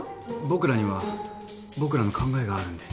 僕らには僕らの考えがあるんで。